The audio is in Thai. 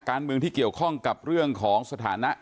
การเมืองที่เกี่ยวข้องกับเรื่องของสถานะ